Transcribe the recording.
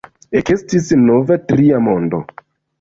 Ekestis nova, "tria mondo".